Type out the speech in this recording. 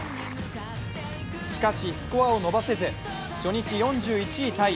しかしスコアを伸ばせず初日４１位タイ。